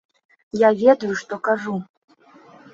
Я ведаю, што кажу.